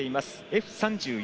Ｆ３４